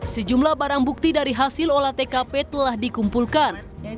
sejumlah barang bukti dari hasil olah tkp telah dikumpulkan